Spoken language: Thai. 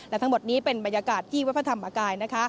และทั้งหมดนี้เป็นบรรยากาศที่วัดพระธรรมกายนะคะ